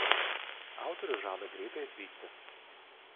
Autorius žada greitai atvykti.